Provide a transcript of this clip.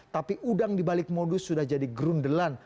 tapi udang dibalik modus sudah jadi grundelan